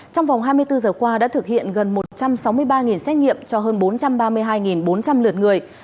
trong vòng hai mươi bốn giờ qua đã thực hiện gần một trăm sáu mươi ba xét nghiệm cho hơn bốn trăm ba mươi hai bốn trăm linh lượt người